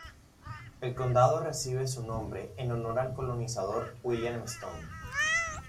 El condado recibe su nombre en honor al colonizador William Stone.